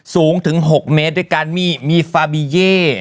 สูงถึง๖เมตรด้วยกันมีฟาบีเย่